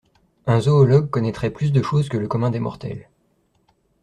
Un zoologue connaîtrait plus de choses que le commun des mortels.